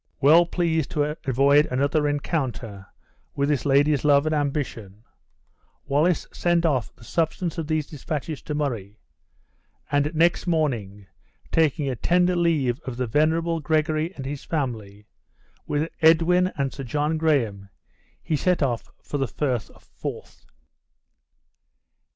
Well pleased to avoid another rencounter with this lady's love and ambition, Wallace sent off the substance of these dispatches to Murray; and next morning, taking a tender leave of the venerable Gregory and his family, with Edwin and Sir John Graham, he set off for the Frith of Forth.